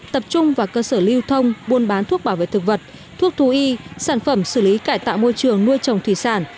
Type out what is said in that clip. tập trung vào cơ sở lưu thông buôn bán thuốc bảo vệ thực vật thuốc thú y sản phẩm xử lý cải tạo môi trường nuôi trồng thủy sản